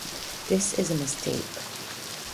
This is a mistake.